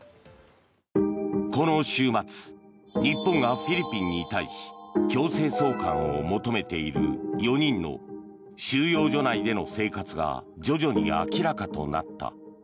この週末日本がフィリピンに対し強制送還を求めている４人の収容所内での生活が徐々に明らかとなった。